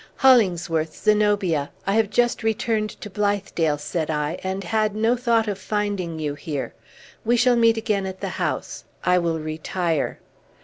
"Hollingsworth, Zenobia, I have just returned to Blithedale," said I, "and had no thought of finding you here. We shall meet again at the house. I will retire."